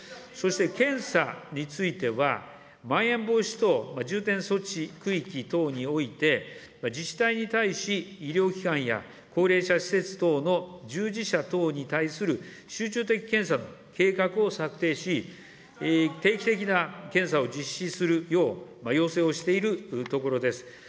そして、検査については、まん延防止等重点措置区域等において、自治体に対し医療機関や高齢者施設等の従事者等に対する集中的検査の計画を策定し、定期的な検査を実施するよう、要請をしているところです。